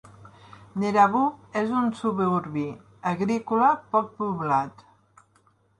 Neerabup és un suburbi agrícola poc poblat.